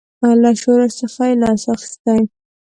له شورش څخه یې لاس اخیستی.